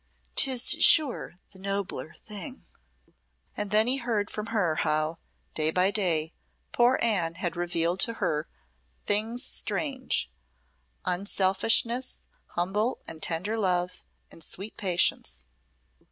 "'Tis sure the nobler thing." And then he heard from her how, day by day, poor Anne had revealed to her things strange unselfishness, humble and tender love, and sweet patience.